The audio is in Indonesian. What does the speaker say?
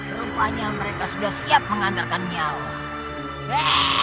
rupanya mereka sudah siap mengantarkan nyawa